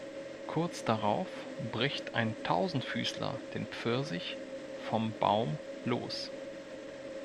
Kurz darauf bricht ein Tausendfüßler den Pfirsich vom Baum los.